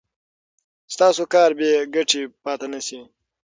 ستاسو کار به بې ګټې پاتې نشي.